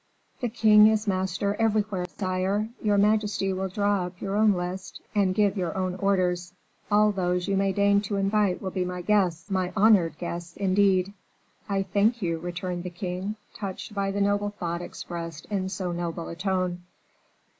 "The king is master everywhere, sire; your majesty will draw up your own list and give your own orders. All those you may deign to invite will be my guests, my honored guests, indeed." "I thank you!" returned the king, touched by the noble thought expressed in so noble a tone.